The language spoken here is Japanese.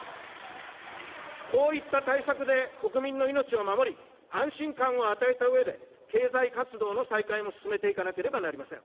こういった対策で国民の命を守り、安心感を与えたうえで、経済活動の再開も進めていかなければなりません。